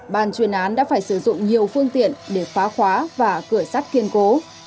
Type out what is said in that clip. bàn chuyên án đã phải sử dụng nhiều phương tiện để phá khóa và cửa sắt kiên cố